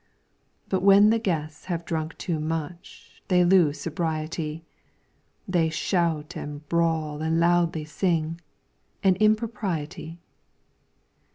But when the guests have drunk too much, They lose sobriety ; They shout and brawl and loudly sing, An impropriety.